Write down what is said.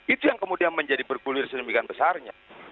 itu yang kemudian menjadi bergulir sedemikian besarnya